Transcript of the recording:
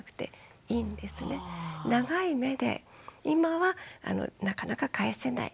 長い目で今はなかなか返せない。